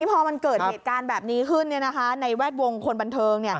พอมันเกิดเหตุการณ์แบบนี้ขึ้นในแวดวงคนบันเทิง